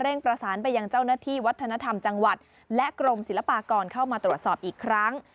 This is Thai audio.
ประสานไปยังเจ้าหน้าที่วัฒนธรรมจังหวัดและกรมศิลปากรเข้ามาตรวจสอบอีกครั้ง